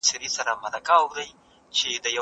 خوب بې آرامۍ نه وي.